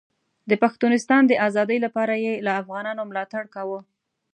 د پښتونستان د ازادۍ لپاره یې له افغانانو ملاتړ کاوه.